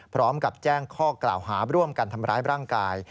พร้อมกับแจ้งข้อกล่าวหาร่วมกันทำร้ายร่างกาย